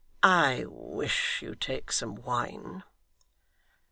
I wish you'd take some wine?